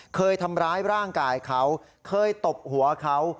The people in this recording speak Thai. เคยทำร้ายร่างกายเขาเคยตบหัวเขา